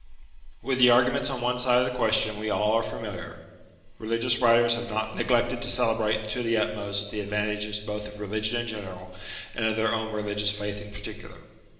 With the arguments on one side of the question we all are familiar : religious writers have not neglected to celebrate to the utmost the advantages both of religion in general and of their own religious faith in particular.